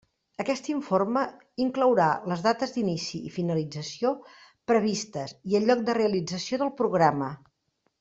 Aquest informe inclourà les dates d'inici i finalització previstes i el lloc de realització del programa.